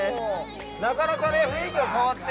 ◆なかなか雰囲気が変わって。